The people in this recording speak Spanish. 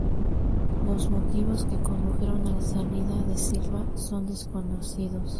Los motivos que condujeron a la salida de Silva son desconocidos.